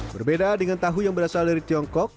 berbeda dengan tahu yang berasal dari tiongkok